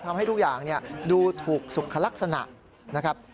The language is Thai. ทำให้ทุกอย่างดูถูกสุขลักษณะนะครับ